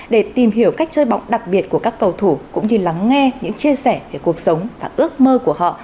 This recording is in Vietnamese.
để tìm hiểu cách chơi bóng đặc biệt của các cầu thủ cũng như lắng nghe những chia sẻ về cuộc sống và ước mơ của họ